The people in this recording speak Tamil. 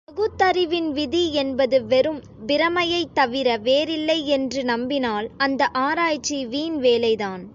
பகுத்தறிவின் விதி என்பது வெறும் பிரமையைத் தவிர வேறில்லையென்று நம்பினால், அந்த ஆராய்ச்சி வீண் வேலைதான்.